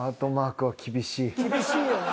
厳しいよな。